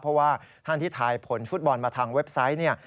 เพราะว่าท่านที่ทายผลฟุตบอลมาทางเว็บไซต์เนี่ย